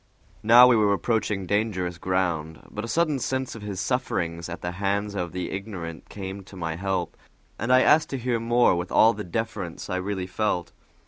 Now we were approaching dangerous ground, but a sudden sense of his sufferings at the hands of the ignorant came to my help, and I asked to hear more with all the deference I really felt.